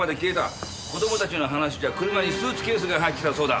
子供たちの話じゃ車にスーツケースが入ってたそうだ。